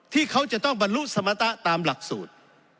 ที่เขาจะต้องบรรลุสมตะตามหลักสูตร